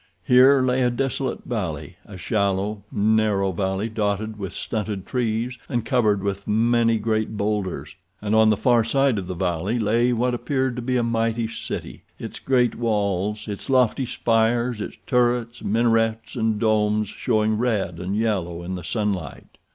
Here lay a desolate valley—a shallow, narrow valley dotted with stunted trees and covered with many great bowlders. And on the far side of the valley lay what appeared to be a mighty city, its great walls, its lofty spires, its turrets, minarets, and domes showing red and yellow in the sunlight.